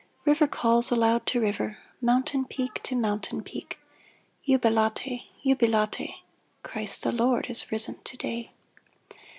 River calls aloud to river, Mountain peak to mountain peak — Jubilate ! Jubilate ! Christ the Lord is risen to day